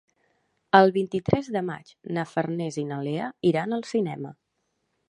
El vint-i-tres de maig na Farners i na Lea iran al cinema.